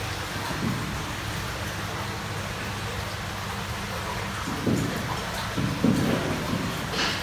Es patrocinadora de la jugadora española, y campeona europea, mundial y olímpica Carolina Marín.